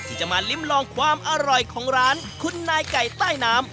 ที่จะมาลิ้มลองความอร่อยของร้านคุณนายไก่ใต้น้ำ